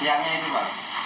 siangnya itu pak